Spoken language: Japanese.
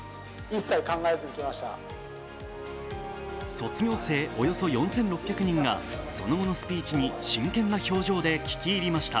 卒業生およそ４６００人がその後のスピーチに真剣な表情で聞き入りました。